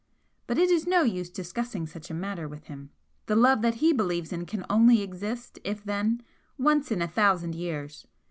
But it is no use discussing such a matter with him. The love that he believes in can only exist, if then, once in a thousand years!